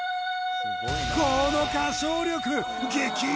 この歌唱力！